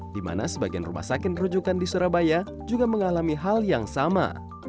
di mana sebagian rumah sakit rujukan di surabaya juga mengalami hal yang sama